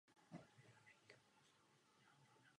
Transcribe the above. Zkoumání čísel mělo tedy zároveň i význam etický.